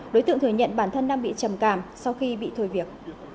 đối tượng thừa nhận bản thân đang bị trầm cảm sau khi bị thôi việc